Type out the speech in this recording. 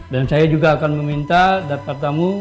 dan saya juga akan meminta daftar tamu